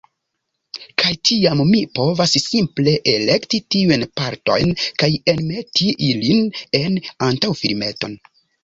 Kaj tiam, mi povas simple elekti tiujn partojn, kaj enmeti ilin en antaŭfilmeton.